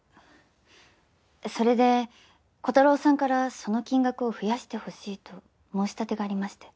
それでコタローさんからその金額を増やしてほしいと申し立てがありまして。